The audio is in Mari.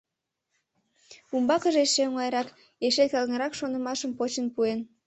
Умбакыже эше оҥайрак, эше келгырак шонымашым почын пуэн.